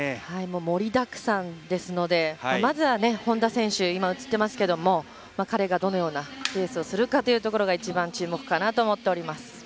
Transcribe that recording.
盛りだくさんですのでまずは本多選手、彼がどのようなレースをするかというところが一番注目かなと思っております。